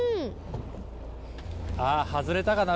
あっ外れたかな